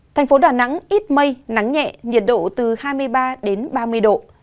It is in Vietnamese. thành phố đà nẵng ít mây nắng nhẹ nhiệt độ từ hai mươi ba đến ba mươi độ